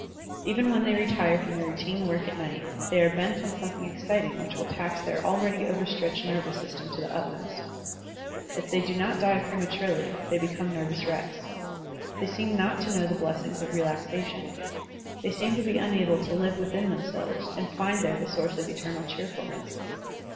Even when they retire from their routine work at night, they are bent on something exciting which will tax their already over stretched nervous system to the utmost. If they do not die prematurely, they become nervous wrecks. They seem not to know the blessings of relaxation. They seem to be unable to live within themselves and find there the source of eternal cheerfulness.